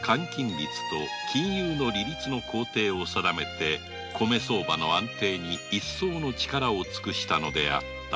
利率金融の利率の公定を定め米相場の安定にいっそうの力を尽くしたのであった